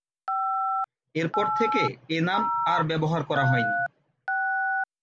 এরপর থেকে এ নাম আর ব্যবহার করা হয়নি।